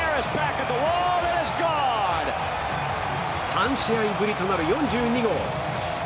３試合ぶりとなる４２号！